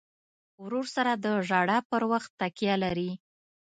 ورور سره د ژړا پر وخت تکیه لرې.